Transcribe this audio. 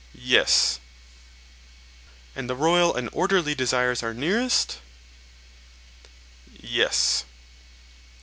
Yes. And the royal and orderly desires are nearest? Yes.